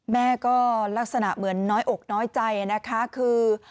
แม่ก็ลักษณะเหมือนน้อยอกน้อยใจนะคะคือ